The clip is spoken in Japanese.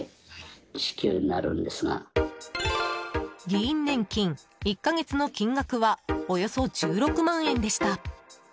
議員年金１か月の金額はおよそ１６万円でした。